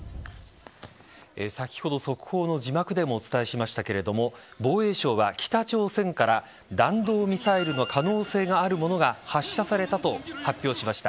先ほど速報の字幕でもお伝えしましたが防衛省は、北朝鮮から弾道ミサイルの可能性があるものが発射されたと発表しました。